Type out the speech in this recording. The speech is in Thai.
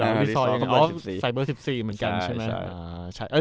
ใส่เบอร์๑๔เหมือนกันใช่ไหม